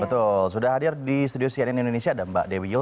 betul sudah hadir di studio cnn indonesia ada mbak dewi yul